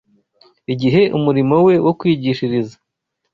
Igihe umurimo we wo kwigishiriza